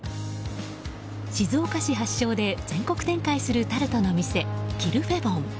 静岡市発祥で全国展開するタルトの店キルフェボン。